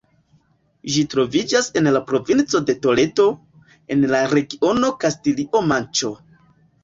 Ĝi troviĝas en la provinco de Toledo, en la regiono Kastilio-Manĉo.